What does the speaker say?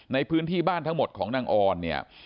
ในพื้นที่บ้านทั้งหมดของนางออนเนี่ย